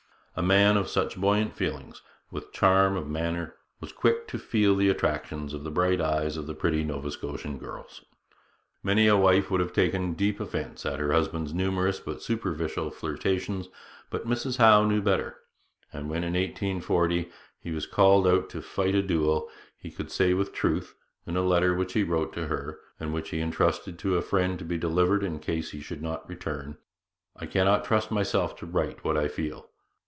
A man of such buoyant feelings, with such charm of manner, was quick to feel the attractions of the bright eyes of the pretty Nova Scotian girls. Many a wife would have taken deep offence at her husband's numerous but superficial flirtations, but Mrs Howe knew better; and when in 1840 he was called out to fight a duel, he could say with truth, in a letter which he wrote to her, and which he entrusted to a friend to be delivered in case he should not return: 'I cannot trust myself to write what I feel.